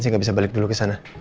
saya gak bisa balik dulu ke sana